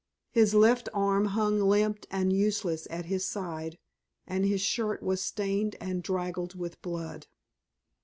His left arm hung limp and useless at his side, and his shirt was stained and draggled with blood.